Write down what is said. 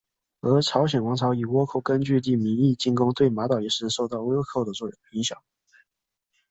而朝鲜王朝以倭寇根据地名义进攻对马岛也是受到倭寇的影响。